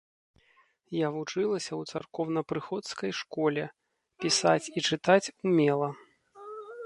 Я вучылася ў царкоўнапрыходскай школе, пісаць і чытаць умела.